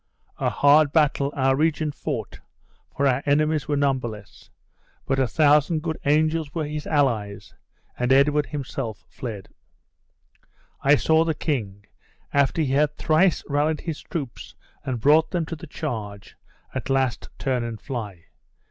A hard battle our regent fought, for our enemies were numberless; but a thousand good angels were his allies, and Edward himself fled. I saw the king, after he had thrice rallied his troops and brought them to the charge, at last turn and fly.